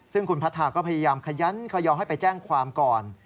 ซึ่งคุณพัทธาก็พยายามขยันขยอให้ไปแจ้งความก่อน